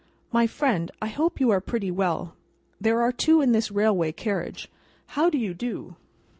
"My friend, I hope you are pretty well. There are two in this railway carriage. How do you do?